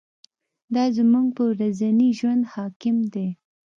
دا زموږ په ورځني ژوند حاکم دی.